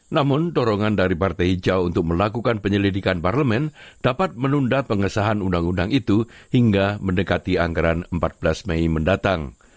namun dorongan dari partai hijau untuk melakukan penyelidikan parlemen dapat menunda pengesahan undang undang itu hingga mendekati anggaran empat belas mei mendatang